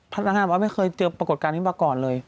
ทาราคารเมื่อก็ไม่เคยเจอปรากฎการณ์นี้มาก่อนเลย